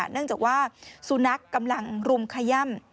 เนื่องจากว่าสุนัขกำลังรุมขย่ำ